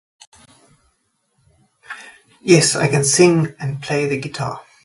Yes, I can sing and play the guitar.